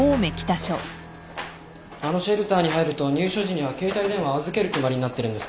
あのシェルターに入ると入所時には携帯電話を預ける決まりになってるんですって。